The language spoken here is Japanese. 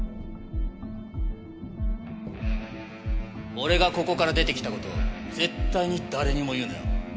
俺がここから出てきた事を絶対に誰にも言うなよ。